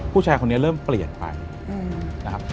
ผู้ชายคนนี้เริ่มเปลี่ยนไปนะครับ